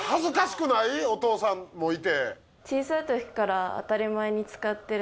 お父さんもいて。